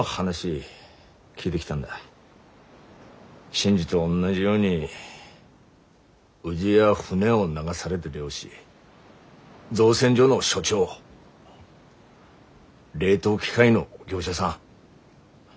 新次とおんなじようにうぢや船を流されだ漁師造船所の所長冷凍機械の業者さん